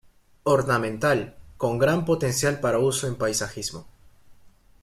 Ornamental, con gran potencial para uso en paisajismo.